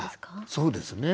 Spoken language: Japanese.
そうですね。